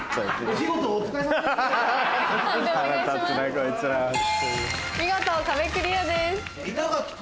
見事壁クリアです。